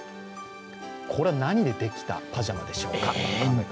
これは何でできたパジャマでしょうか？